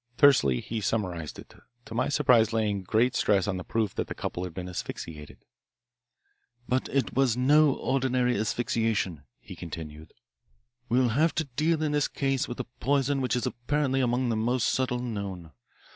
Tersely he summarised it, to my surprise laying great stress on the proof that the couple had been asphyxiated. "But it was no ordinary asphyxiation," he continued. "We have to deal in this case with a poison which is apparently among the most subtle known.